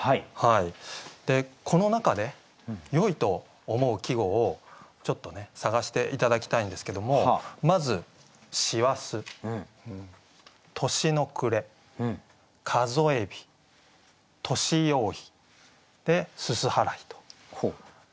この中でよいと思う季語をちょっとね探して頂きたいんですけどもまず「師走」「年の暮」「数へ日」「年用意」「煤払」と。